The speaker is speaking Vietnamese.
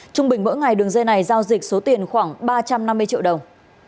trung bình mỗi ngày đường dây này giao dịch số tiền khoảng ba trăm năm mươi triệu đồng